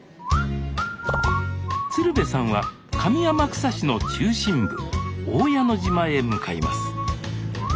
鶴瓶さんは上天草市の中心部大矢野島へ向かいます